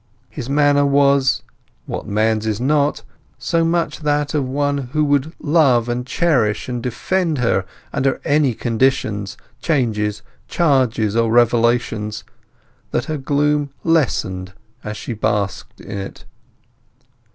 His manner was—what man's is not?—so much that of one who would love and cherish and defend her under any conditions, changes, charges, or revelations, that her gloom lessened as she basked in it.